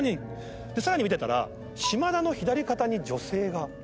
さらに見てたら島田の左肩に女性が。